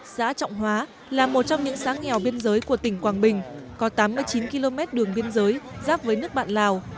xã trọng hóa là một trong những xã nghèo biên giới của tỉnh quảng bình có tám mươi chín km đường biên giới giáp với nước bạn lào